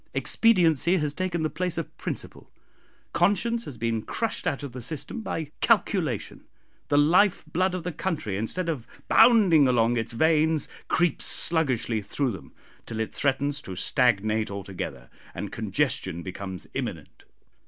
Expediency has taken the place of principle; conscience has been crushed out of the system by calculation. The life blood of the country, instead of bounding along its veins, creeps sluggishly through them, till it threatens to stagnate altogether, and congestion becomes imminent.